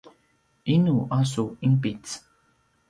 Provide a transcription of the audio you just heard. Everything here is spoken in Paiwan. inu a su inpic?